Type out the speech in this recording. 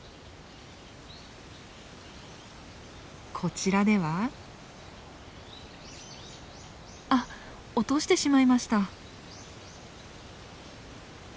こちらではあっ落としてしまいました。